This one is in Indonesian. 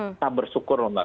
kita bersyukur mbak